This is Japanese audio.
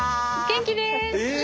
元気です！